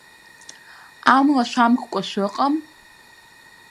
Амла шәамккәа шәыҟам?